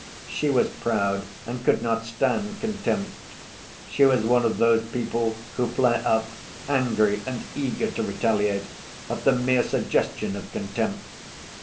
She was proud and could not stand contempt. She was one of those people who flare up, angry and eager to retaliate, at the mere suggestion of contempt.